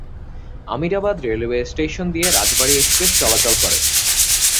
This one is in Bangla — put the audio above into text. আমিরাবাদ রেলওয়ে স্টেশন দিয়ে রাজবাড়ী এক্সপ্রেস চলাচল করে।